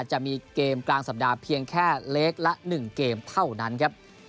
จะมีเกมกลางสัปดาห์เพียงแค่เล็กละ๑เกมเท่านั้นครับ